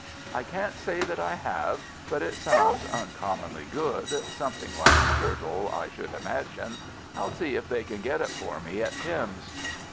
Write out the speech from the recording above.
"I can't say that I have, but it sounds uncommonly good something like turtle, I should imagine. I'll see if they can get it for me at Pimm's."